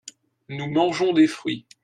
nous mangeons des fruits.